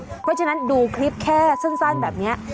เพราะฉะนั้นดูคลิปแค่สั้นแบบนี้